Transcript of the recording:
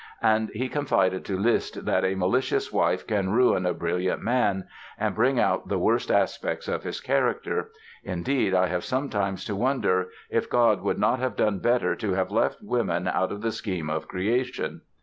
And he confided to Liszt that "a malicious wife can ruin a brilliant man ... and bring out the worst aspects of his character; indeed, I have sometimes to wonder if God would not have done better to have left women out of the scheme of creation".